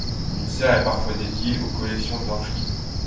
Une serre est parfois dédiée aux collections d'orchidées.